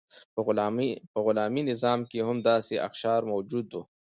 په غلامي نظام کې هم داسې اقشار موجود وو.